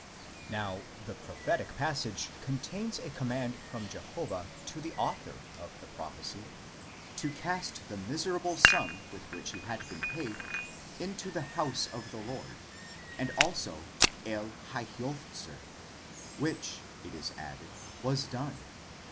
® Now the prophetic passage contains a command from Jehovah to the author of the prophecy, to cast the miserable sum with which he had been paid, into the house of the Lord, and also yids, which, it is added, was done.